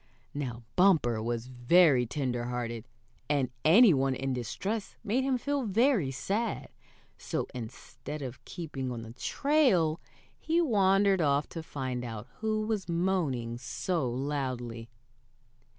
Now Bumper was very tender hearted, and any one in distress made him very sad. So instead of keeping on the trail, he wandered off to find out who was moaning so loudly.